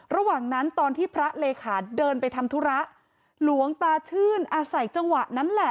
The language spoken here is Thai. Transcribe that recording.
ระหว่างนั้นตอนที่พระเลขาเดินไปทำธุระหลวงตาชื่นอาศัยจังหวะนั้นแหละ